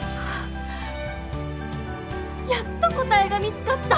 やっと答えが見つかった！